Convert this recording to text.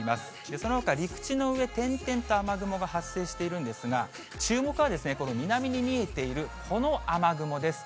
そのほか陸地の上、点々と雨雲が発生しているんですが、注目はこの南に見えているこの雨雲です。